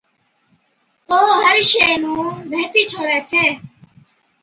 او هر شئِي نُون ڀيتِي ڇوڙَي ڇَي۔